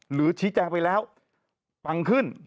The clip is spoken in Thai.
หรือชี้แจงไปแล้วปังขึ้น